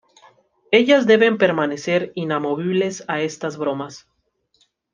Ellas deben permanecer inamovibles a estas bromas.